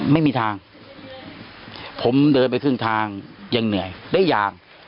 ไม่มีทางผมเดินไปครึ่งทางยังเหนื่อยได้ยาง